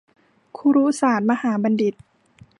คุรุศาสตรมหาบัณฑิต